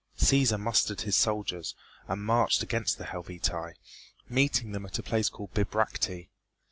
Cæsar mustered his soldiers and marched against the Helvetii, meeting them at a place called Bibracte.